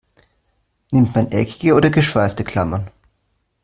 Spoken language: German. Nimmt man eckige oder geschweifte Klammern?